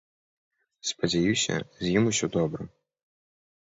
Спадзяюся, з ім ўсё добра.